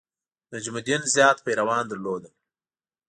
نجم الدین زیات پیروان درلودل.